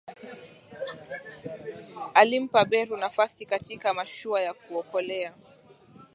alimpa beru nafasi katika mashua ya kuokolea